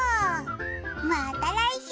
また来週。